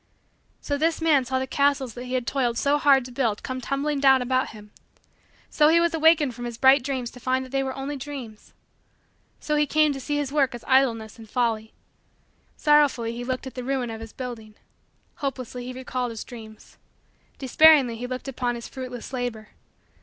So this man saw the castles that he had toiled so hard to build come tumbling down about him. So he was awakened from his bright dreams to find that they were only dreams. So he came to see his work as idleness and folly. Sorrowfully he looked at the ruin of his building. Hopelessly he recalled his dreams. Despairingly he looked upon his fruitless labor.